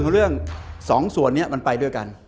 เพราะเรื่องสองส่วนนี้มันไปด้วยกัน